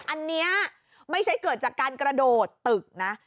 อันนี้ไม่ใช่เกิดจากการกระโดดตึกนะ